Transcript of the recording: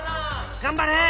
頑張れ！